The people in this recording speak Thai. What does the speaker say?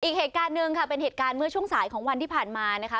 อีกเหตุการณ์หนึ่งค่ะเป็นเหตุการณ์เมื่อช่วงสายของวันที่ผ่านมานะคะ